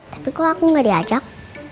tapi kok aku nggak diajak